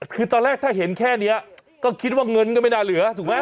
คือตอนแรกถ้าเห็นแค่นี้ก็คิดว่าเงินก็ไม่น่าเหลือถูกไหม